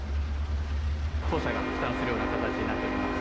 当社が負担するような形になっております。